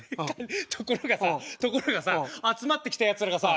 ところがさところがさ集まってきたやつらがさ